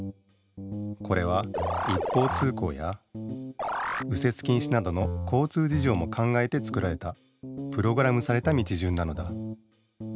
これは一方通行や右折禁止などの交通じじょうも考えて作られたプログラムされた道順なのだ。